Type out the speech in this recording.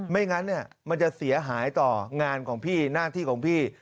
ไม่งั้นมันจะเสียหายต่องานของพี่หน้าที่ของพี่